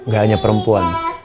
gak hanya perempuan